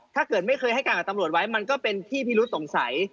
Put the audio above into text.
ถ้าเกิดไม่เคยให้การกับตำรวจไว้มันก็เป็นที่พิรุษสงสัย